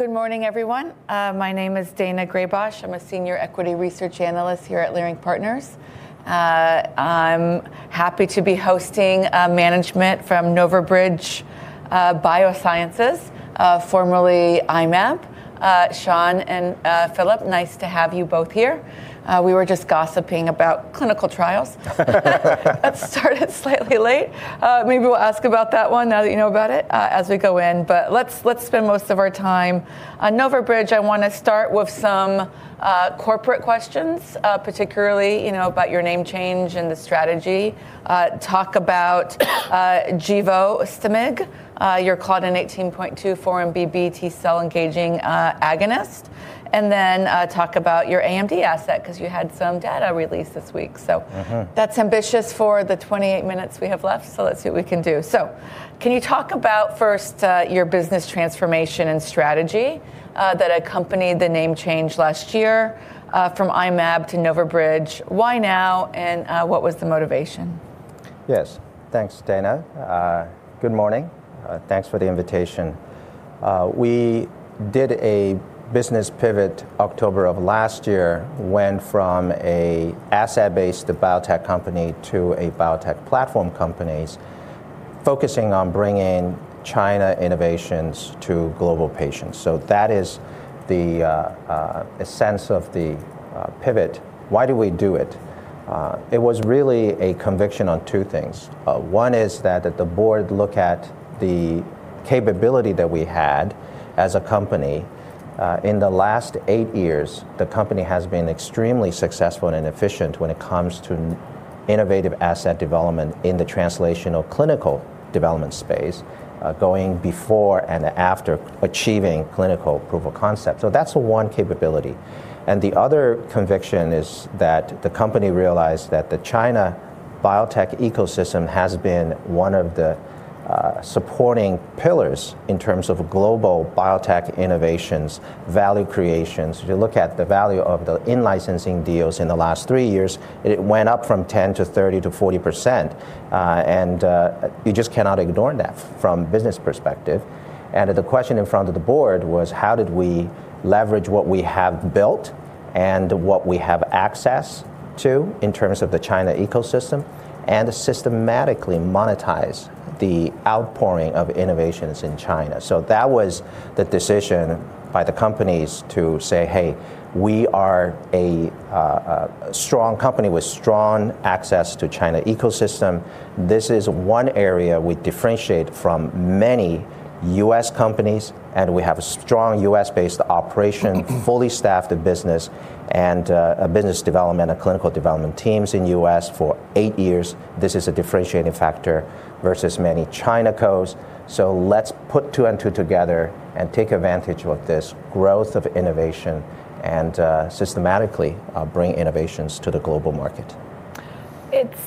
Good morning everyone. My name is Daina Graybosch. I'm a senior equity research analyst here at Leerink Partners. I'm happy to be hosting management from NovaBridge Biosciences, formerly I-Mab. Sean and Phillip, nice to have you both here. We were just gossiping about clinical trials that started slightly late. Maybe we'll ask about that one now that you know about it, as we go in. Let's spend most of our time on NovaBridge. I wanna start with some corporate questions, particularly, you know about your name change and the strategy. Talk about Givastomig, your claudin 18.2 4-1BB T-cell engaging agonist, and then talk about your AMD asset 'cause you had some data released this week. Mm-hmm That's ambitious for the 28 minutes we have left, so let's see what we can do. Can you talk about first, your business transformation and strategy, that accompanied the name change last year, from I-Mab to NovaBridge? Why now and, what was the motivation? Yes, thanks Daina. Good morning. Thanks for the invitation. We did a business pivot October of last year, went from a asset-based biotech company to a biotech platform companies focusing on bringing China innovations to global patients. That is the sense of the pivot. Why do we do it? It was really a conviction on two things. One is that the board look at the capability that we had as a company. In the last eight years, the company has been extremely successful and efficient when it comes to innovative asset development in the translational clinical development space, going before and after achieving clinical approval concept. That’s one capability. The other conviction is that the company realized that the China biotech ecosystem has been one of the supporting pillars in terms of global biotech innovations, value creations. If you look at the value of the in-licensing deals in the last three years, it went up from 10% to 30% to 40%, and you just cannot ignore that from business perspective. The question in front of the board was how did we leverage what we have built and what we have access to in terms of the China ecosystem, and systematically monetize the outpouring of innovations in China. That was the decision by the companies to say, "Hey, we are a strong company with strong access to China ecosystem. This is one area we differentiate from many U.S. companies and we have a strong U.S.-based operation, fully staffed business, and a business development, a clinical development teams in U.S. for eight years. This is a differentiating factor versus many China cos. Let's put two and two together and take advantage of this growth of innovation and systematically bring innovations to the global market. It's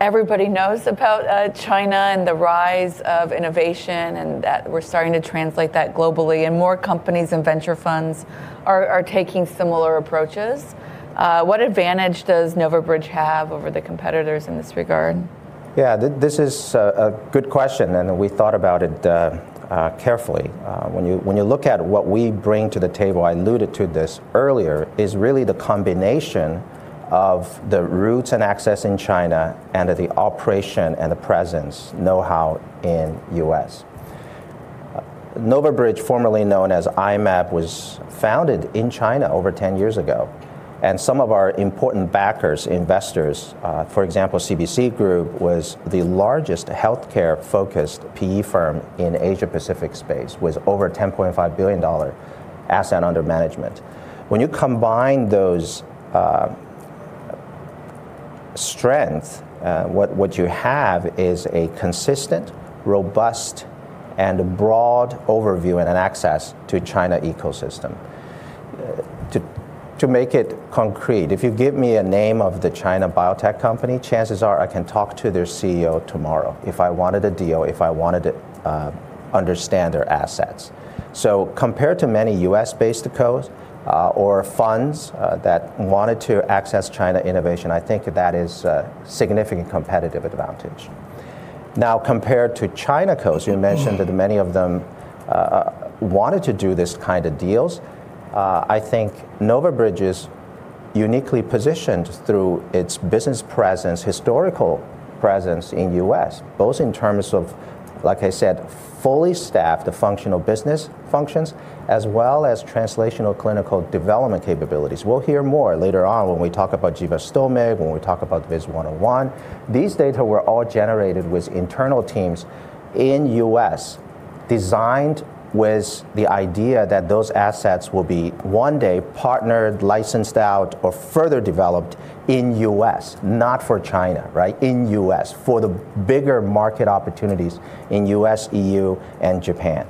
everybody knows about China and the rise of innovation, and that we're starting to translate that globally, and more companies and venture funds are taking similar approaches. What advantage does NovaBridge have over the competitors in this regard? This is a good question, and we thought about it carefully. When you look at what we bring to the table, I alluded to this earlier, is really the combination of the roots and access in China and of the operation and the presence knowhow in US. NovaBridge, formerly known as I-Mab, was founded in China over 10 years ago. Some of our important backers, investors, for example, CBC Group, was the largest healthcare focused PE firm in Asia Pacific space, with over $10.5 billion asset under management. When you combine those strengths, what you have is a consistent, robust and broad overview and an access to China ecosystem. To make it concrete, if you give me a name of the China biotech company, chances are I can talk to their CEO tomorrow if I wanted a deal, if I wanted to understand their assets. Compared to many U.S.-based cos, or funds, that wanted to access China innovation, I think that is a significant competitive advantage. Now, compared to China cos, you mentioned that many of them wanted to do this kind of deals. I think NovaBridge is uniquely positioned through its business presence, historical presence in U.S., both in terms of, like I said, fully staffed the functional business functions as well as translational clinical development capabilities. We'll hear more later on when we talk about Givastomig, when we talk about VIS-101. These data were all generated with internal teams in U.S., designed with the idea that those assets will be one day partnered, licensed out or further developed in U.S. Not for China, right? In U.S., for the bigger market opportunities in U.S., EU and Japan.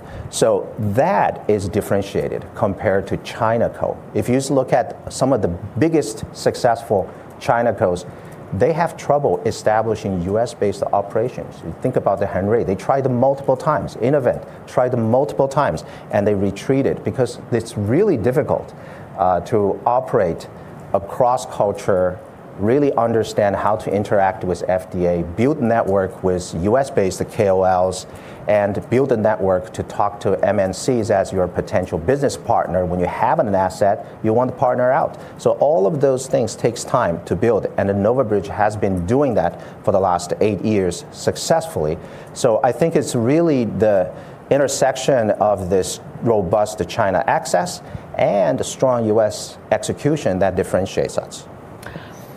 That is differentiated compared to China co. If you look at some of the biggest successful China cos, they have trouble establishing U.S.-based operations. You think about the Hengrui, they tried multiple times. Innovent tried multiple times, and they retreated because it's really difficult to operate across culture, really understand how to interact with FDA, build network with U.S.-based KOLs, and build a network to talk to MNCs as your potential business partner. When you have an asset, you want to partner out. All of those things takes time to build, and NovaBridge has been doing that for the last 8 years successfully. I think it's really the intersection of this robust China access and a strong U.S. execution that differentiates us.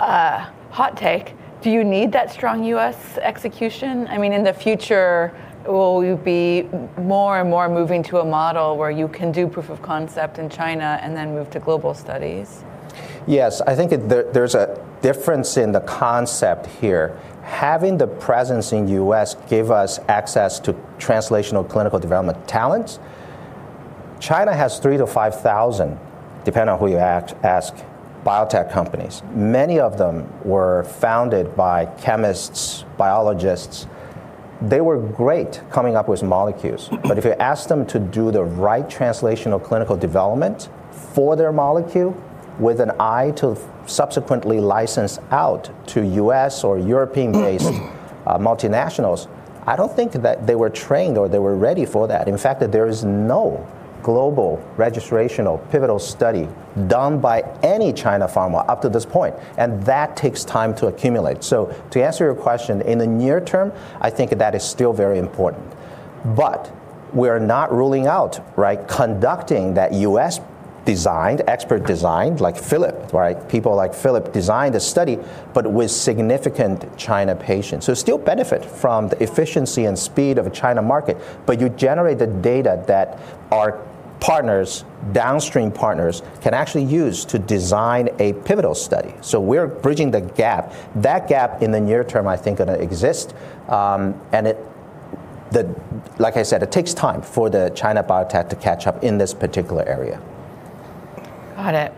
Hot take. Do you need that strong U.S. execution? I mean, in the future, will you be more and more moving to a model where you can do proof of concept in China and then move to global studies? Yes, I think there's a difference in the concept here. Having the presence in U.S. gave us access to translational clinical development talents. China has 3,000-5,000, depending on who you ask, biotech companies. Many of them were founded by chemists, biologists. They were great coming up with molecules. But if you ask them to do the right translational clinical development for their molecule with an eye to subsequently license out to U.S. or European-based multinationals, I don't think that they were trained or they were ready for that. In fact, there is no global registrational pivotal study done by any China pharma up to this point, and that takes time to accumulate. To answer your question, in the near term, I think that is still very important. But we're not ruling out, right, conducting that U.S.-designed, expert-designed, like Phillip, right? People like Phillip designed the study, but with significant China patients. Still benefit from the efficiency and speed of a China market, but you generate the data that our partners, downstream partners, can actually use to design a pivotal study. We're bridging the gap. That gap in the near term, I think gonna exist, and like I said, it takes time for the China biotech to catch up in this particular area. Got it.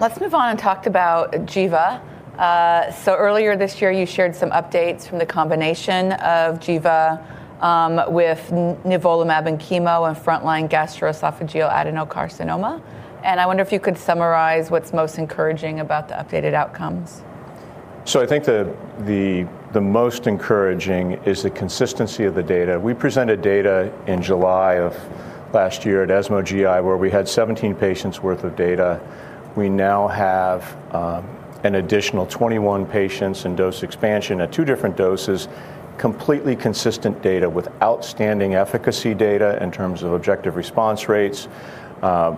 Let's move on and talk about Givastomig. Earlier this year, you shared some updates from the combination of Givastomig with Nivolumab and chemo and frontline gastroesophageal adenocarcinoma. I wonder if you could summarize what's most encouraging about the updated outcomes. I think the most encouraging is the consistency of the data. We presented data in July of last year at ESMO GI where we had 17 patients worth of data. We now have an additional 21 patients in dose expansion at two different doses, completely consistent data with outstanding efficacy data in terms of objective response rates.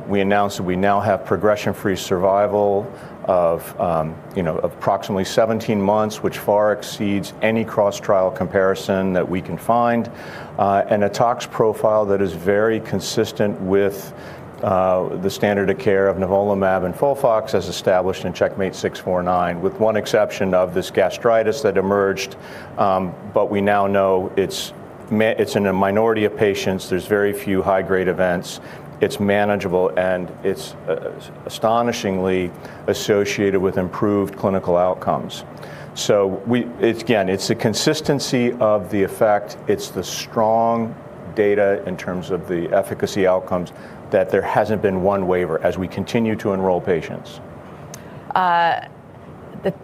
We announced that we now have progression-free survival of approximately 17 months, which far exceeds any cross-trial comparison that we can find, and a tox profile that is very consistent with the standard of care of nivolumab and FOLFOX as established in CheckMate 649, with one exception of this gastritis that emerged. We now know it's in a minority of patients. There's very few high-grade events. It's manageable, and it's astonishingly associated with improved clinical outcomes. It's again, it's the consistency of the effect. It's the strong data in terms of the efficacy outcomes that there hasn't been one waiver as we continue to enroll patients.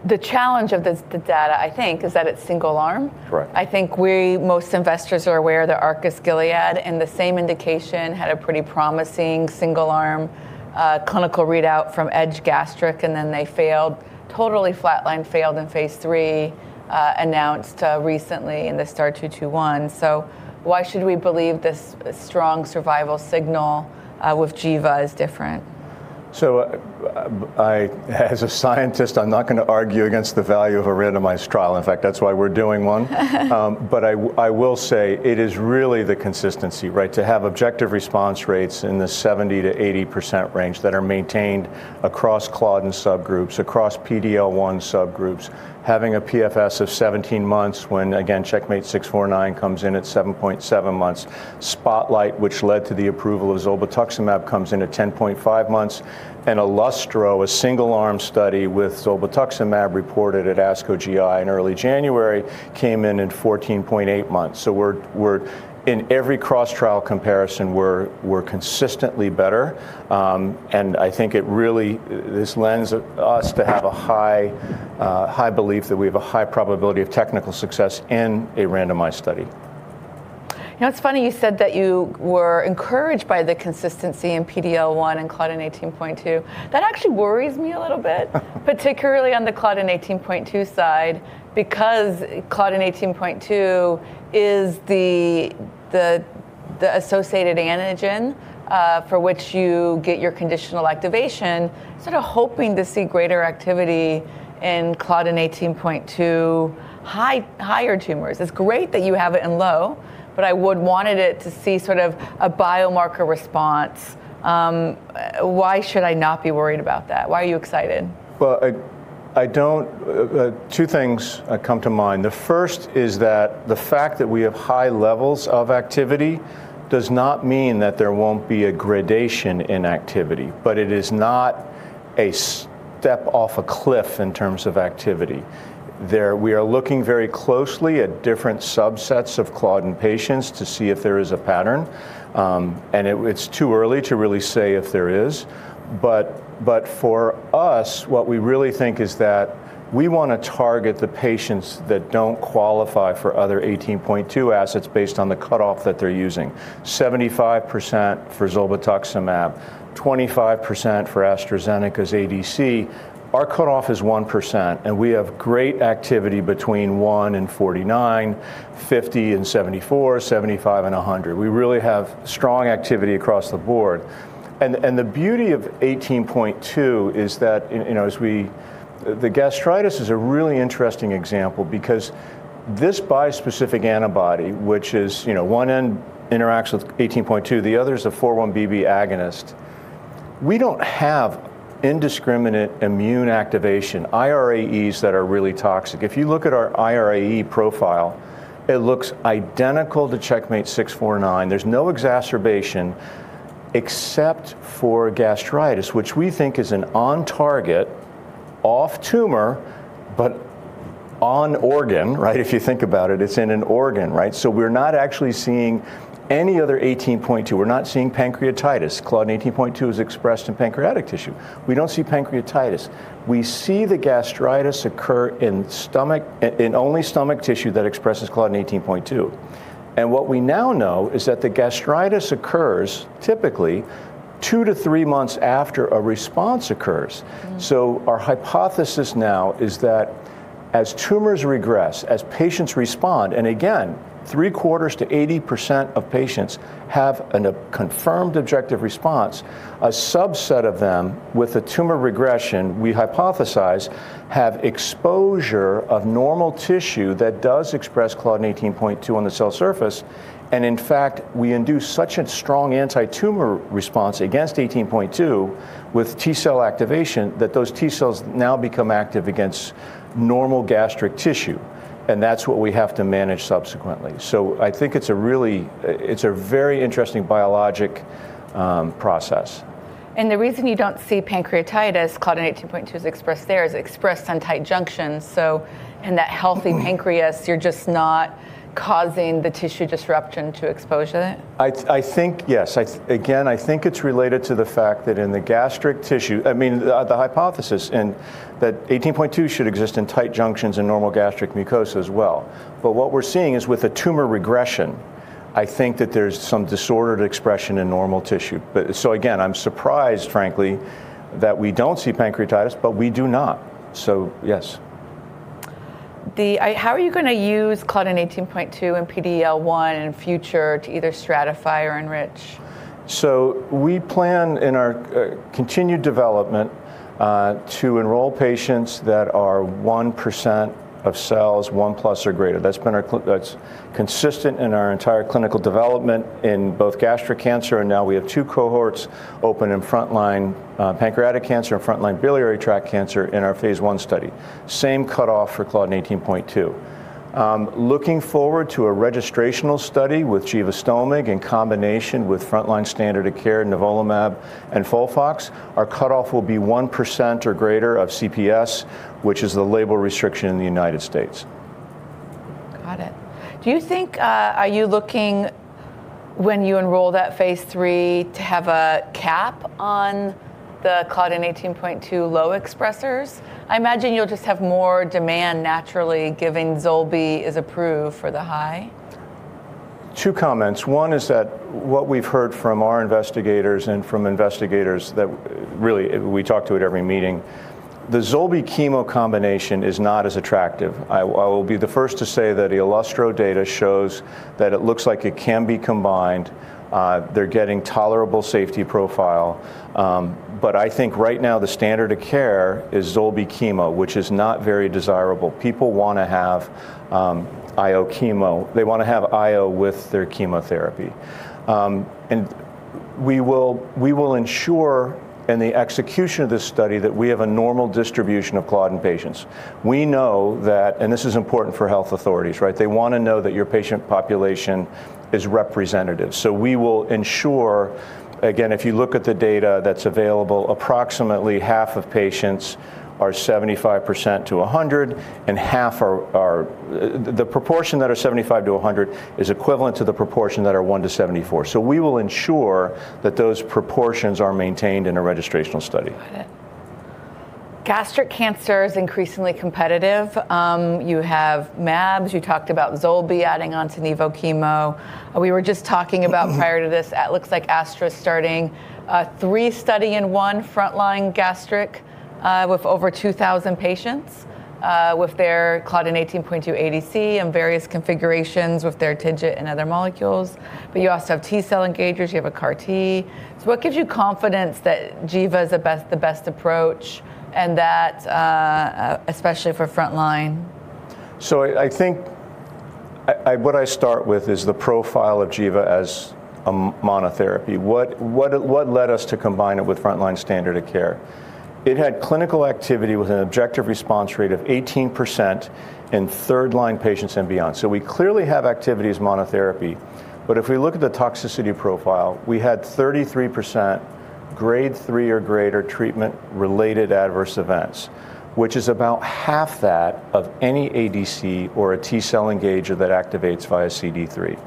The challenge of this data, I think, is that it's single arm. Correct. I think most investors are aware that Arcus-Gilead in the same indication had a pretty promising single-arm clinical readout from EDGE-Gastric, and then they failed, totally flatlined, failed in phase 3, announced recently in the STAR-221. Why should we believe this strong survival signal with Givastomig is different? As a scientist, I'm not gonna argue against the value of a randomized trial. In fact, that's why we're doing one. I will say it is really the consistency, right? To have objective response rates in the 70%-80% range that are maintained across claudin subgroups, across PD-L1 subgroups, having a PFS of 17 months when, again, CheckMate 649 comes in at 7.7 months. SPOTLIGHT, which led to the approval of zolbetuximab, comes in at 10.5 months. ILLUSTRO, a single-arm study with zolbetuximab reported at ASCO GI in early January, came in at 14.8 months. We're in every cross-trial comparison, we're consistently better. I think this lends us to have a high belief that we have a high probability of technical success in a randomized study. You know, it's funny you said that you were encouraged by the consistency in PD-L1 and claudin 18.2. That actually worries me a little bit. Particularly on the claudin 18.2 side, because claudin 18.2 is the associated antigen for which you get your conditional activation, sort of hoping to see greater activity in claudin 18.2 higher tumors. It's great that you have it in low, but I would want to see sort of a biomarker response. Why should I not be worried about that? Why are you excited? Well, two things come to mind. The first is that the fact that we have high levels of activity does not mean that there won't be a gradation in activity, but it is not a step off a cliff in terms of activity. We are looking very closely at different subsets of claudin patients to see if there is a pattern, and it's too early to really say if there is. For us, what we really think is that we wanna target the patients that don't qualify for other 18.2 assets based on the cutoff that they're using. 75% for zolbetuximab, 25% for AstraZeneca's ADC. Our cutoff is 1%, and we have great activity between 1%-49%, 50%-74%, 75%-100%. We really have strong activity across the board. The beauty of 18.2 is that the gastritis is a really interesting example because this bispecific antibody, which is one end interacts with 18.2, the other is a 4-1BB agonist. We don't have indiscriminate immune activation, irAEs that are really toxic. If you look at our irAE profile, it looks identical to CheckMate 649. There's no exacerbation except for gastritis, which we think is an on target, off tumor, but on organ, right? If you think about it's in an organ, right? We're not actually seeing any other 18.2. We're not seeing pancreatitis. Claudin 18.2 is expressed in pancreatic tissue. We don't see pancreatitis. We see the gastritis occur in stomach, in only stomach tissue that expresses claudin 18.2. What we now know is that the gastritis occurs typically 2-3 months after a response occurs. Mm. Our hypothesis now is that as tumors regress, as patients respond, and again, 75%-80% of patients have a confirmed objective response, a subset of them with a tumor regression, we hypothesize have exposure of normal tissue that does express claudin 18.2 on the cell surface and in fact, we induce such a strong antitumor response against 18.2 with T cell activation that those T cells now become active against normal gastric tissue, and that's what we have to manage subsequently. I think it's a really. It's a very interesting biologic process. The reason you don't see pancreatitis, claudin 18.2 is expressed on tight junctions, so in that healthy pancreas. Mm You're just not causing the tissue disruption to expose it? I think yes. Again, I think it's related to the fact that in the gastric tissue I mean, the hypothesis in that 18.2 should exist in tight junctions in normal gastric mucosa as well, but what we're seeing is with the tumor regression, I think that there's some disordered expression in normal tissue. Again, I'm surprised frankly that we don't see pancreatitis, but we do not, so yes. How are you gonna use claudin 18.2 and PD-L1 in future to either stratify or enrich? We plan in our continued development to enroll patients that are 1% of cells, one+ or greater. That's consistent in our entire clinical development in both gastric cancer, and now we have two cohorts open in frontline pancreatic cancer and frontline biliary tract cancer in our phase I study. Same cutoff for claudin 18.2. Looking forward to a registrational study with Givastomig in combination with frontline standard of care nivolumab and FOLFOX, our cutoff will be 1% or greater of CPS, which is the label restriction in the United States. Got it. Are you looking, when you enroll that phase III, to have a cap on the claudin 18.2 low expressers? I imagine you'll just have more demand naturally given zolbetuximab is approved for the high. Two comments. One is that what we've heard from our investigators and from investigators that really we talk to at every meeting, the zolbetuximab chemo combination is not as attractive. I will be the first to say that the ILUSTRO data shows that it looks like it can be combined. They're getting tolerable safety profile. I think right now the standard of care is zolbetuximab chemo, which is not very desirable. People wanna have IO chemo. They wanna have IO with their chemotherapy. We will ensure in the execution of this study that we have a normal distribution of claudin 18.2 patients. We know that. This is important for health authorities, right? They wanna know that your patient population is representative, so we will ensure. Again, if you look at the data that's available, approximately half of patients are 75%-100%, and half are the proportion that are 75%-100% is equivalent to the proportion that are 1-74. We will ensure that those proportions are maintained in a registrational study. Got it. Gastric cancer is increasingly competitive. You have mAbs. You talked about zolbetuximab adding onto Nivolumab chemo. Prior to this, looks like AstraZeneca's starting a phase III study in frontline gastric with over 2,000 patients with their claudin 18.2 ADC and various configurations with their TIGIT and other molecules, but you also have T-cell engagers. You have a CAR T. What gives you confidence that Givastomig is the best approach and that especially for frontline? I think what I start with is the profile of Givastomig as a monotherapy. What led us to combine it with frontline standard of care? It had clinical activity with an objective response rate of 18% in third-line patients and beyond, so we clearly have activity as monotherapy. But if we look at the toxicity profile, we had 33% grade three or greater treatment-related adverse events, which is about half that of any ADC or a T-cell engager that activates via CD3.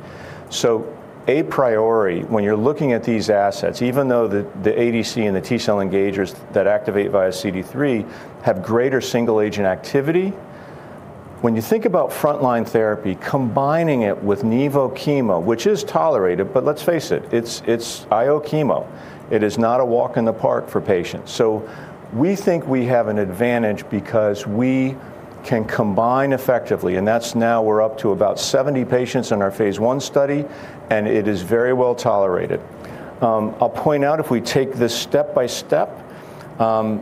A priority when you're looking at these assets, even though the ADC and the T-cell engagers that activate via CD3 have greater single-agent activity, when you think about frontline therapy, combining it with nivo chemo, which is tolerated, but let's face it's IO chemo. It is not a walk in the park for patients. We think we have an advantage because we can combine effectively, and that's now we're up to about 70 patients in our phase I study and it is very well-tolerated. I'll point out if we take this step by step, the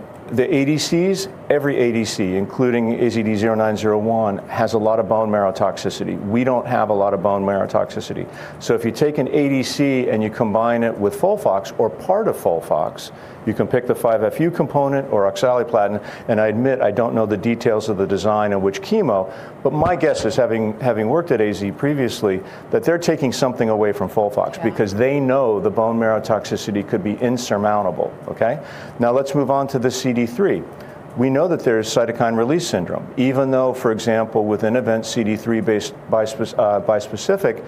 ADCs, every ADC including AZD0901 has a lot of bone marrow toxicity. We don't have a lot of bone marrow toxicity. If you take an ADC and you combine it with FOLFOX or part of FOLFOX, you can pick the 5-FU component or oxaliplatin, and I admit I don't know the details of the design and which chemo. My guess is having worked at AZ previously, that they're taking something away from FOLFOX because they know the bone marrow toxicity could be insurmountable. Okay. Now let's move on to the CD3. We know that there is cytokine release syndrome even though, for example, with an anti-CD3 based bispecific,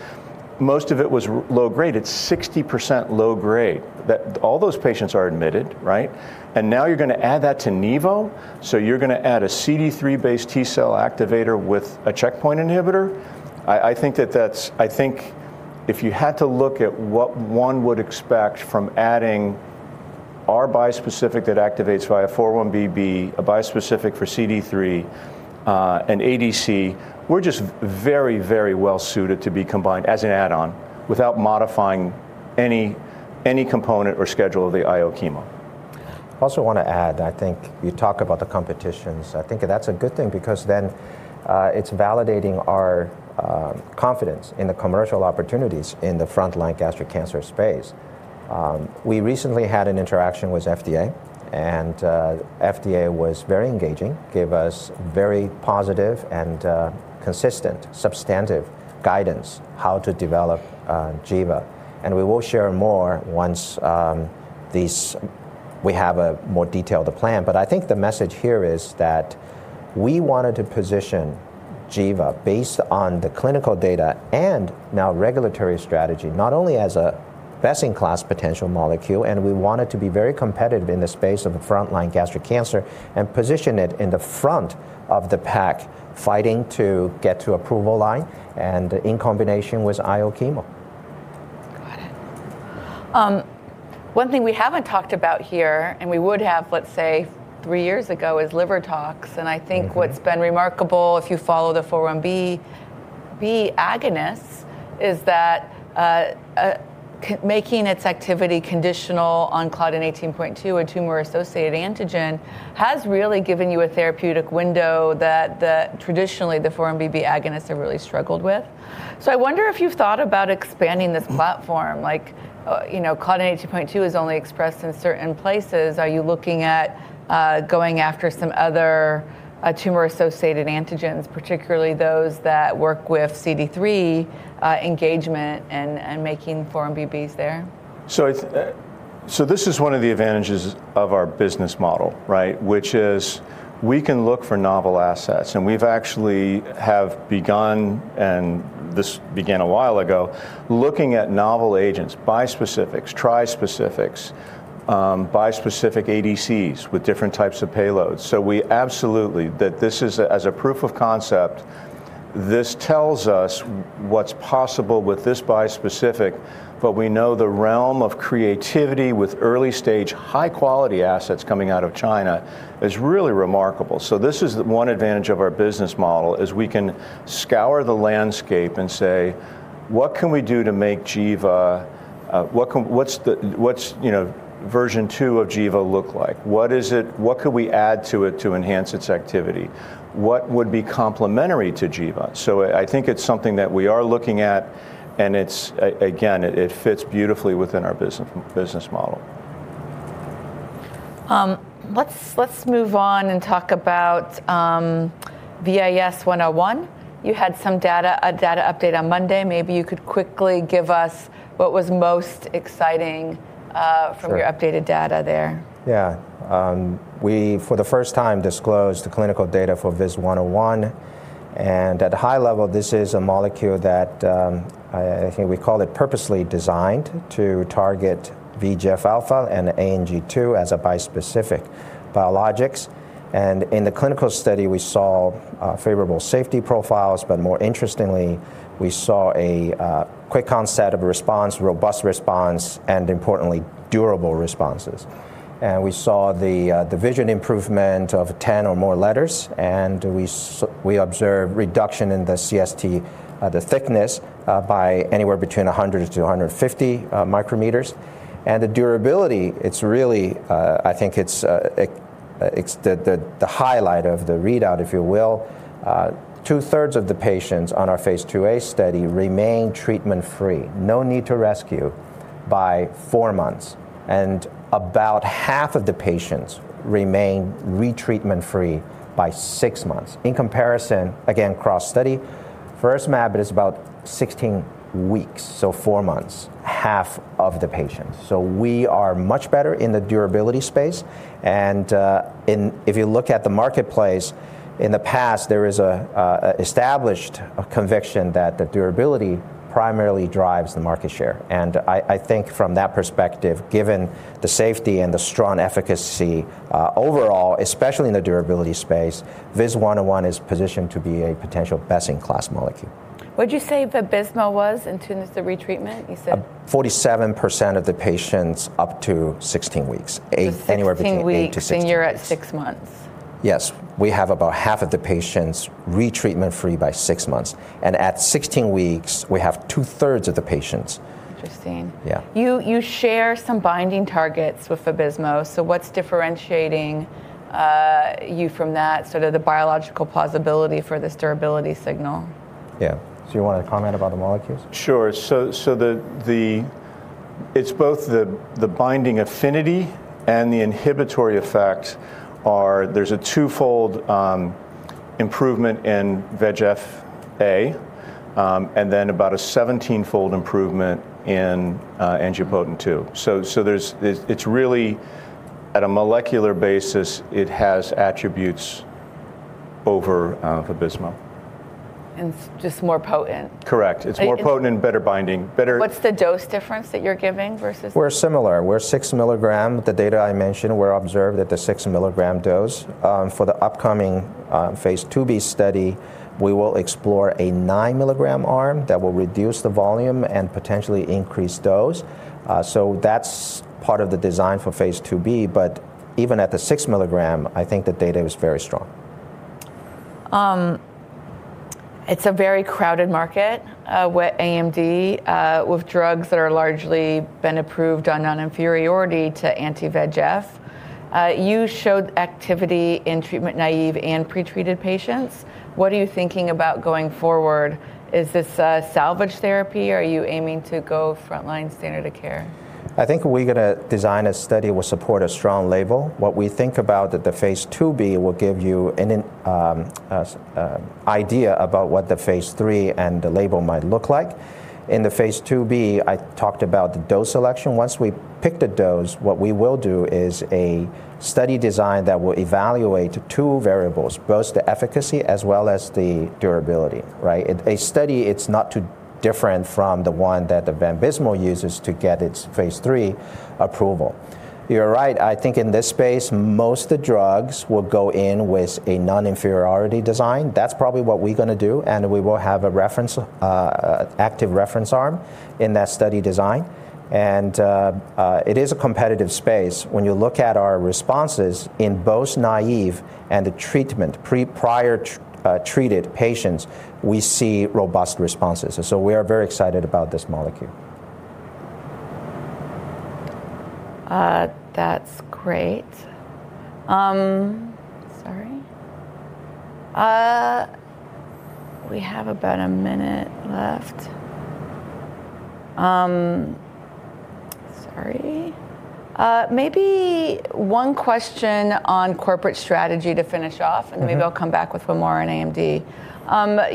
most of it was low grade. It's 60% low grade that all those patients are admitted, right? Now you're gonna add that to nivo. You're gonna add a CD3 based T-cell activator with a checkpoint inhibitor. I think that that's. I think if you had to look at what one would expect from adding our bispecific that activates via 4-1BB, a bispecific for CD3, and ADC, we're just very well suited to be combined as an add-on without modifying any component or schedule of the IO chemo. I also wanna add, I think you talk about the competitions. I think that's a good thing because then, it's validating our, confidence in the commercial opportunities in the frontline gastric cancer space. We recently had an interaction with FDA, and, FDA was very engaging, gave us very positive and, consistent, substantive guidance how to develop, Givastomig. We will share more once, we have a more detailed plan. I think the message here is that we wanted to position Givastomig based on the clinical data and now regulatory strategy, not only as a best-in-class potential molecule, and we want it to be very competitive in the space of frontline gastric cancer and position it in the front of the pack, fighting to get to approval line and in combination with IO chemo. Got it. One thing we haven't talked about here, and we would have, let's say, three years ago, is liver tox. Mm-hmm. I think what's been remarkable, if you follow the 4-1BB agonist, is that making its activity conditional on claudin 18.2 or tumor-associated antigen has really given you a therapeutic window that traditionally the 4-1BB agonists have really struggled with. I wonder if you've thought about expanding this platform. Like, you know, claudin 18.2 is only expressed in certain places. Are you looking at going after some other tumor-associated antigens, particularly those that work with CD3 engagement and making 4-1BBs there? This is one of the advantages of our business model, right? Which is we can look for novel assets, and we've actually have begun, and this began a while ago, looking at novel agents, bispecifics, tri-specifics, bispecific ADCs with different types of payloads. We absolutely, that this is a, as a proof of concept, this tells us what's possible with this bispecific. But we know the realm of creativity with early-stage high-quality assets coming out of China is really remarkable. This is one advantage of our business model, is we can scour the landscape and say, "What can we do to make Jeva, what can-- what's the, what's, you know, version two of Jeva look like? What could we add to it to enhance its activity? What would be complementary to Jeva? I think it's something that we are looking at, and it's again it fits beautifully within our business model. Let's move on and talk about VIS-101. You had some data, a data update on Monday. Maybe you could quickly give us what was most exciting. Sure from your updated data there. Yeah, we for the first time disclosed the clinical data for VIS-101. At a high level, this is a molecule that I think we call it purposely designed to target VEGF-A and Ang2 as a bispecific biologics. In the clinical study, we saw favorable safety profiles. More interestingly, we saw a quick onset of response, robust response, and importantly, durable responses. We saw the vision improvement of 10 or more letters, and we observed reduction in the CST, the thickness, by anywhere between 100-150 micrometers. The durability, it's really, I think it's the highlight of the readout, if you will. Two-thirds of the patients on our phase IIa study remain treatment-free, no need to rescue by four months. About half of the patients remain retreatment-free by six months. In comparison, again, cross-study, Vabysmo is about 16 weeks, so four months, half of the patients. We are much better in the durability space. If you look at the marketplace in the past, there is an established conviction that the durability primarily drives the market share. I think from that perspective, given the safety and the strong efficacy, overall, especially in the durability space, VIS-101 is positioned to be a potential best-in-class molecule. What'd you say Vabysmo was in terms of retreatment? You said. 47% of the patients up to 16 weeks. Anywhere between eight-16 16 weeks, and you're at six months. Yes. We have about half of the patients retreatment-free by six months, and at 16 weeks, we have two thirds of the patients. Interesting. Yeah. You share some binding targets with Vabysmo, so what's differentiating you from that, sort of the biological plausibility for this durability signal? Yeah. Do you wanna comment about the molecules? Sure. It's both the binding affinity and the inhibitory effect are. There's a twofold improvement in VEGF-A, and then about a 17-fold improvement in Angiopoietin-2. It's really, at a molecular basis, it has attributes over Vabysmo. It's just more potent. Correct. I- it- potent and better binding. What's the dose difference that you're giving versus? We're similar. We're six milligram. The data I mentioned were observed at the six milligram dose. For the upcoming phase IIb study, we will explore a nine milligram arm that will reduce the volume and potentially increase dose. That's part of the design for phase IIb, but even at the six milligram, I think the data is very strong. It's a very crowded market with AMD with drugs that are largely been approved on non-inferiority to anti-VEGF. You showed activity in treatment-naive and pretreated patients. What are you thinking about going forward? Is this a salvage therapy, or are you aiming to go frontline standard of care? I think we're gonna design a study that will support a strong label. What we think about the phase IIb will give you an idea about what the phase III and the label might look like. In the phase IIb, I talked about the dose selection. Once we pick the dose, what we will do is a study design that will evaluate two variables, both the efficacy as well as the durability, right? It's a study, it's not too different from the one that the Vabysmo uses to get its phase III approval. You're right. I think in this space, most of the drugs will go in with a non-inferiority design. That's probably what we're gonna do, and we will have a reference active reference arm in that study design. It is a competitive space. When you look at our responses in both naive and the treatment, prior treated patients, we see robust responses. We are very excited about this molecule. That's great. Sorry. We have about a minute left. Sorry. Maybe one question on corporate strategy to finish off. Mm-hmm Maybe I'll come back with one more on AMD.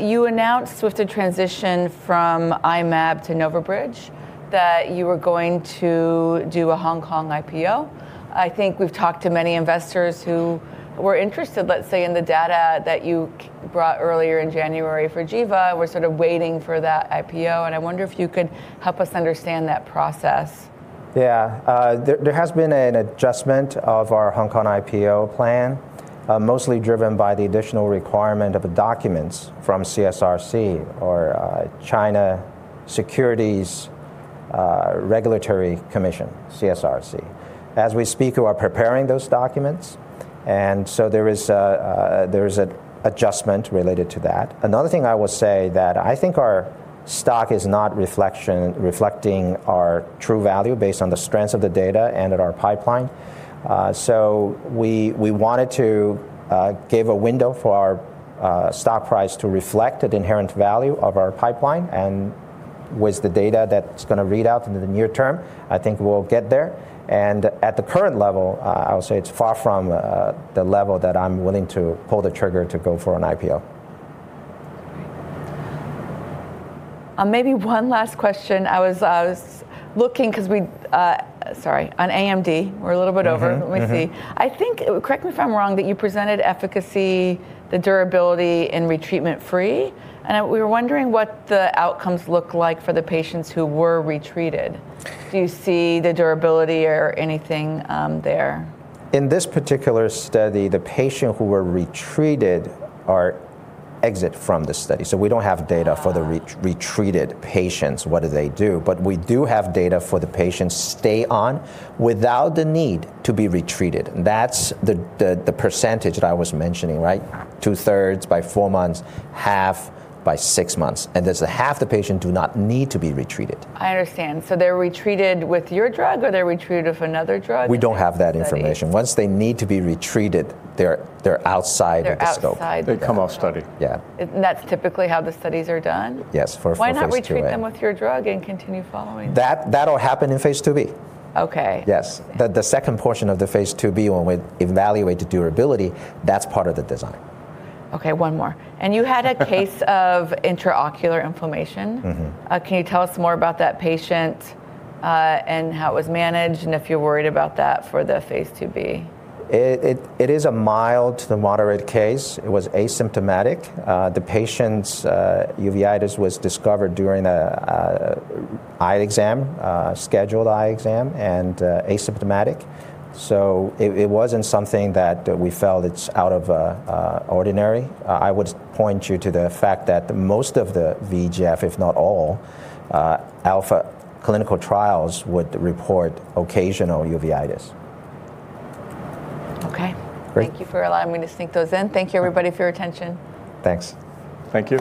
You announced with the transition from I-Mab to NovaBridge that you were going to do a Hong Kong IPO. I think we've talked to many investors who were interested, let's say, in the data that you brought earlier in January for Jeva. We're sort of waiting for that IPO, and I wonder if you could help us understand that process. Yeah. There has been an adjustment of our Hong Kong IPO plan, mostly driven by the additional requirement of the documents from CSRC or China Securities Regulatory Commission. As we speak, we are preparing those documents, and so there is an adjustment related to that. Another thing I will say that I think our stock is not reflecting our true value based on the strengths of the data and in our pipeline, so we wanted to give a window for our stock price to reflect the inherent value of our pipeline, and with the data that's gonna read out into the near term, I think we'll get there. At the current level, I'll say it's far from the level that I'm willing to pull the trigger to go for an IPO. Maybe one last question. I was looking 'cause we. Sorry. On AMD. We're a little bit over. Mm-hmm. Mm-hmm. Let me see. I think, correct me if I'm wrong, that you presented efficacy, the durability in retreatment free, and I, we were wondering what the outcomes look like for the patients who were retreated. Do you see the durability or anything, there? In this particular study, the patients who were retreated are exited from the study, so we don't have data for the retreated patients, what they do, but we do have data for the patients who stay on without the need to be retreated. That's the percentage that I was mentioning, right? Two-thirds by four months, half by six months, and there is half the patients who do not need to be retreated. I understand. They're retreated with your drug, or they're retreated with another drug in that study? We don't have that information. Once they need to be retreated, they're outside of the scope. They're outside the- They come off study. Yeah. That's typically how the studies are done? Yes, for phase IIa. Why not treat them with your drug and continue following? That, that'll happen in phase IIb. Okay. Yes. The second portion of the phase IIb when we evaluate the durability, that's part of the design. Okay, one more. You had a case of intraocular inflammation. Mm-hmm. Can you tell us more about that patient, and how it was managed and if you're worried about that for the phase IIb? It is a mild to moderate case. It was asymptomatic. The patient's uveitis was discovered during an eye exam, a scheduled eye exam, and asymptomatic. It wasn't something that we felt it's out of ordinary. I would point you to the fact that most of the VEGF, if not all, clinical trials would report occasional uveitis. Okay. Great. Thank you for allowing me to sneak those in. Thank you everybody for your attention. Thanks. Thank you.